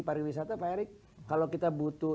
pariwisata pak erik kalau kita butuh